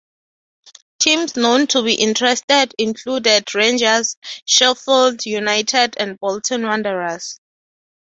Teams known to be interested included Rangers, Sheffield United and Bolton Wanderers.